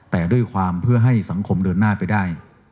แต่ด้วยความเพื่อให้สังคมเดินหน้าไปได้